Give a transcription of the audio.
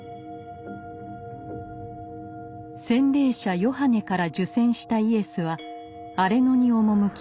洗礼者ヨハネから受洗したイエスは荒れ野に赴きます。